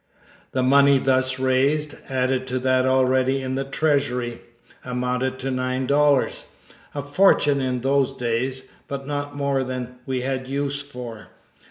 The money thus raised, added to that already in the treasury, amounted to nine dollars a fortune in those days; but not more than we had use for.